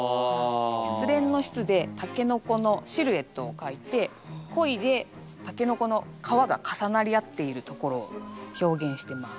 失恋の「失」でタケノコのシルエットを書いて「恋」でタケノコの皮が重なり合っているところを表現してます。